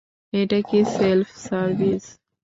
এটা কি self service?